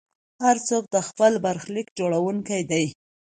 هر څوک د خپل برخلیک جوړونکی دی.